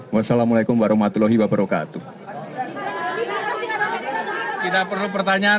wassalamu'alaikum warahmatullahi wabarakatuh